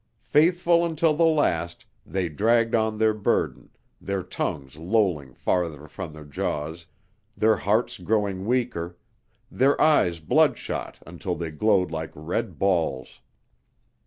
Faithful until the last they dragged on their burden, their tongues lolling farther from their jaws, their hearts growing weaker, their eyes bloodshot until they glowed like red balls.